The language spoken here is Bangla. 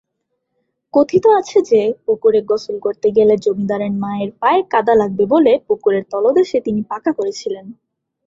কথিত আছে যে, পুকুরে গোসল করতে গেলে জমিদারের মায়ের পায়ে কাদা লাগবে বলে পুকুরের তলদেশে তিনি পাঁকা করেছিলেন।